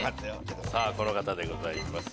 さぁこの方でございます。